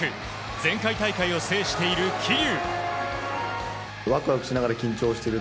前回大会を制している桐生。